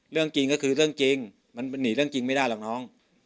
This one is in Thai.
เรื่องจริงก็คือเรื่องจริงมันหนีเรื่องจริงไม่ได้หรอกน้อง